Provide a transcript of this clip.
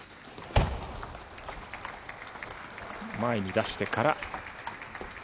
前に出してから。